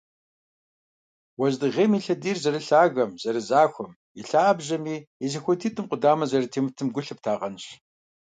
Уэздыгъейм и лъэдийр зэрылъагэм, зэрызахуэм, и лъабжьэми и зэхуэдитӀми къудамэ зэрытемытым гу лъыптагъэнщ.